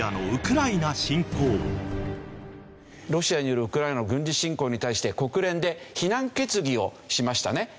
ロシアによるウクライナの軍事侵攻に対して国連で非難決議をしましたね。